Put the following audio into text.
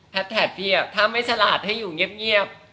แท็กพี่ถ้าไม่ฉลาดให้อยู่เงียบ